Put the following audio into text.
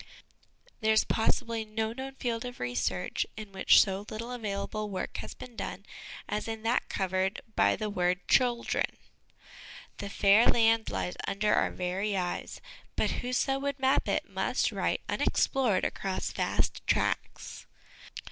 There is possibly no known field of research in which so little available work has been done as in that covered by the word ' children/ The ' fair lande ' lies under our very eyes, but whoso would map it out must write ' Unexplored ' across vast tracts.